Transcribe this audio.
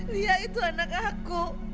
lia itu anak aku